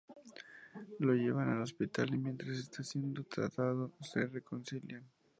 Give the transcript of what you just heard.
Lo llevan al hospital y mientras está siendo tratado se reconcilian.